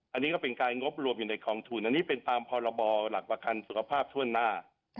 อันนี้ก็เป็นการงบรวมอยู่ในกองทุนอันนี้เป็นตามพรบหลักประกันสุขภาพทั่วหน้า